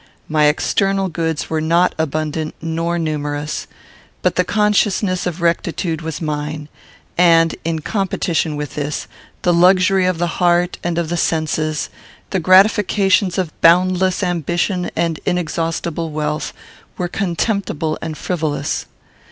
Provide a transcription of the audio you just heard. My external goods were not abundant nor numerous, but the consciousness of rectitude was mine; and, in competition with this, the luxury of the heart and of the senses, the gratifications of boundless ambition and inexhaustible wealth, were contemptible and frivolous.